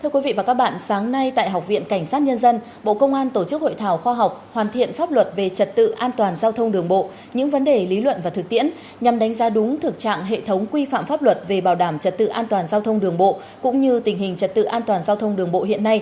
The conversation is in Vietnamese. các bạn hãy đăng ký kênh để ủng hộ kênh của chúng mình nhé